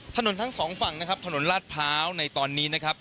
ทั้งสองฝั่งนะครับถนนลาดพร้าวในตอนนี้นะครับ